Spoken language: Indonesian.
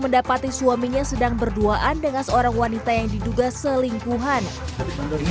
mendapati suaminya sedang berduaan dengan seorang wanita yang diduga selingkuhannya